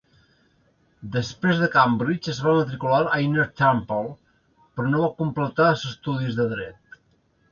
Després de Cambridge, es va matricular a Inner Temple, però no va completar els estudis de Dret.